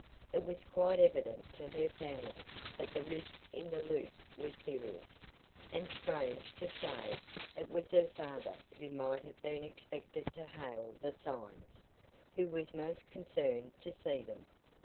It was quite evident to her family that the rift in the lute was serious, and strange to say, it was her father, who might have been expected to hail the signs, who was most concerned to see them.